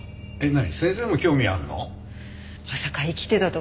何？